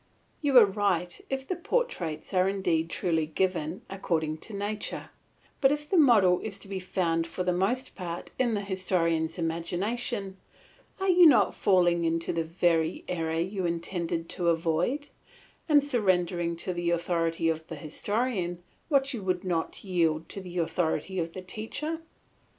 You are right if the portraits are indeed truly given according to nature; but if the model is to be found for the most part in the historian's imagination, are you not falling into the very error you intended to avoid, and surrendering to the authority of the historian what you would not yield to the authority of the teacher?